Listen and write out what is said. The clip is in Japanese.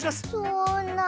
そんな。